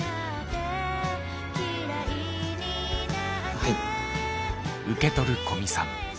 はい。